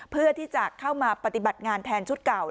เพื่อที่จะเข้ามาปฏิบัติงานแทนชุดเก่า